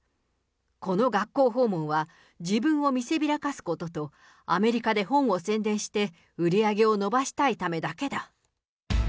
この学校訪問は、自分を見せびらかすことと、アメリカで本を宣伝して、売り上げを伸ばしたいためだけだ。